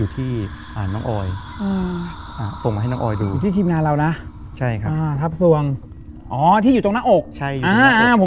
ผมเคยเห็นที่หน้าอกริเกย์อะไรอย่างนี้นะครับ